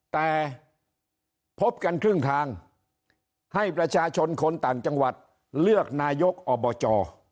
แต่พบกันครึ่งทางให้ประชาชนคนต่างจังหวัดเลือกนายกอบจ